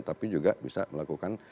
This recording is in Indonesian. tapi juga bisa melakukan